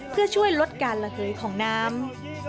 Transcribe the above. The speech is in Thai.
เพื่อช่วยลดการระเหยของน้ำ